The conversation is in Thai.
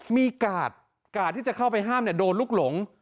มีกาดกาดที่จะเข้าไปห้ามโดนลูกหลง